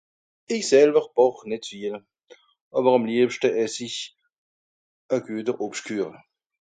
Ich selwer bàch nit viel, àwer àm liebschte ess ich e güeter Obschtküeche.